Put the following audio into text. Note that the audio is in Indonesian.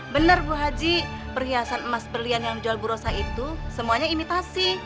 bener bu haji perhiasan emas berlian yang dijual bu rosa itu semuanya imitasi